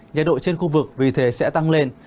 nhiệt độ trên khu vực vì thế sẽ tăng lên